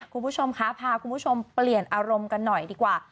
คุณผู้ชมคะพาคุณผู้ชมเปลี่ยนอารมณ์กันหน่อยดีกว่า